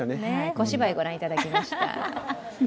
小芝居ご覧いただきました。